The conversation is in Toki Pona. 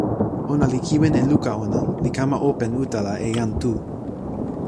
ona li kiwen e luka ona, li kama open utala e jan Tu.